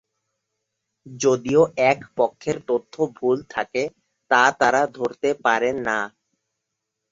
যদিও এক পক্ষের তথ্য ভুল থাকে; তা তারা ধরতে পারেন না।